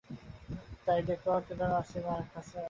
তাই ডেকো, কিন্তু তোমার মাসিমার কাছে নয়।